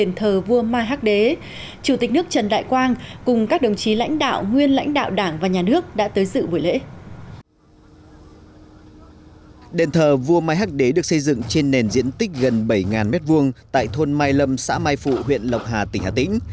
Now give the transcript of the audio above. đền thờ vua mai hắc đế được xây dựng trên nền diện tích gần bảy m hai tại thôn mai lâm xã mai phụ huyện lộc hà tỉnh hà tĩnh